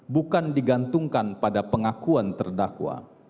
bukan digantungkan pada pengakuan terdakwa